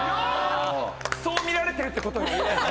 そう見られてるってことよ。